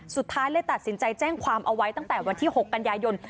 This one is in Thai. สุดท้ายเลยตัดสินใจแจ้งความเอาไว้ตั้งแต่วันที่๖กันยายน